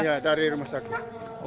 ya dari rumah sakit